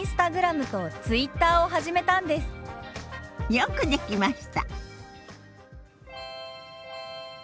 よくできました。